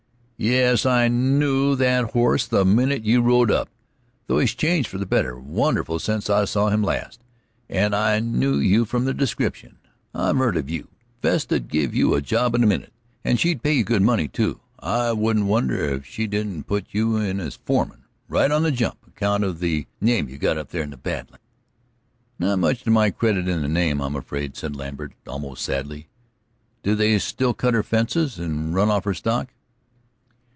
"Yes; I knew that horse the minute you rode up, though he's changed for the better wonderful since I saw him last, and I knew you from the descriptions I've heard of you. Vesta'd give you a job in a minute, and she'd pay you good money, too. I wouldn't wonder if she didn't put you in as foreman right on the jump, account of the name you've got up here in the Bad Lands." "Not much to my credit in the name, I'm afraid," said Lambert, almost sadly. "Do they still cut her fences and run off her stock?"